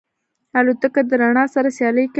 الوتکه د رڼا سره سیالي کوي.